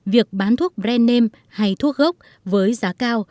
việc bán thuốc brand name hay thuốc gốc với giá cao